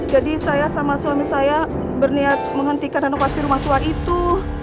jadi saya sama suami saya berniat menghentikan renovasi rumah tua itu